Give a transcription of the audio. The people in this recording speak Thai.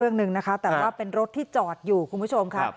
เรื่องหนึ่งนะคะแต่ว่าเป็นรถที่จอดอยู่คุณผู้ชมค่ะ